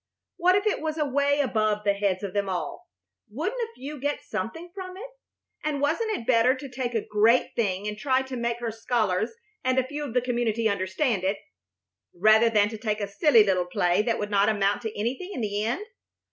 What if it was away above the heads of them all, wouldn't a few get something from it? And wasn't it better to take a great thing and try to make her scholars and a few of the community understand it, rather than to take a silly little play that would not amount to anything in the end?